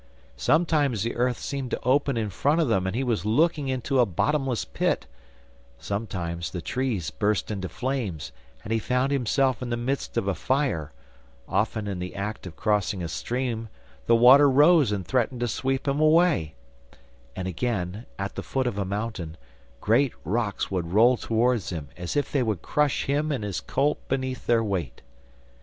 Sometimes the earth seemed to open in front of them and he was looking into a bottomless pit; sometimes the trees burst into flames and he found himself in the midst of a fire; often in the act of crossing a stream the water rose and threatened to sweep him away; and again, at the foot of a mountain, great rocks would roll towards him, as if they would crush him and his colt beneath their weight.